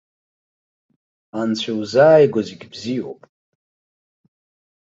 Анцәа иузааиго зегьы бзиоуп.